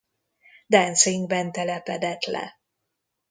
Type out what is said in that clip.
Danzigban telepedett le.